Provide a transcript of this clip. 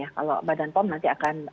kalau badan pom nanti akan